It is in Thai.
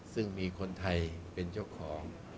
ซึ่งมีคนไทยเป็นเจ้าของ